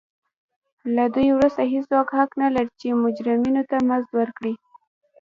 له دې وروسته هېڅوک حق نه لري چې مجرمینو ته مزد ورکړي.